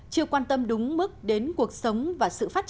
chưa quan tâm đúng mức đến cuộc sống và sự phát triển